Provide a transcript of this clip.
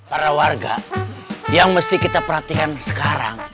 para warga yang mesti kita perhatikan sekarang